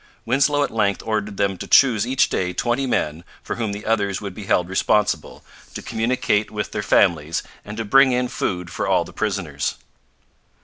Winslow at length ordered them to choose each day twenty men, for whom the others would be held responsible, to communicate with their families, and to bring in food for all the prisoners.